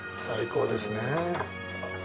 最高ですね。